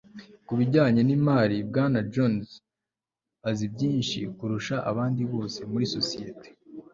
Ku bijyanye nimari Bwana Jones azi byinshi kurusha abandi bose muri sosiyete